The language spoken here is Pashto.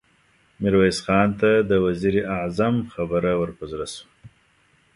ميرويس خان ته د وزير اعظم خبره ور په زړه شوه.